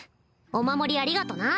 お守りありがとな